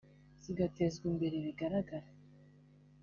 zigatezwa imbere bigaragara